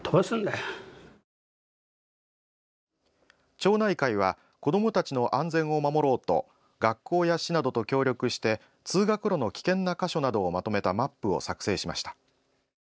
町内会は子どもたちの安全を守ろうと学校や市などと協力して通学路の危険な箇所などをまとめたマップを作成しました。